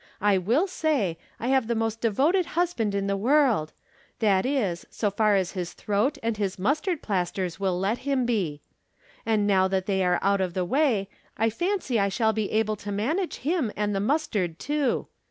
I wUl say, I have the most devoted husband in the world ; that is, so far as his throat and his mustard plas ters will let him be. And now that they are out of the way, I fancy I shall be able to manage him and the mustard, too.